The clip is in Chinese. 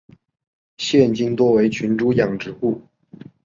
现今多为群猪养殖户。